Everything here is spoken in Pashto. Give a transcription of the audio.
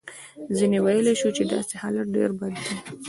حتی ویلای شو چې داسې حالت ډېر بد دی.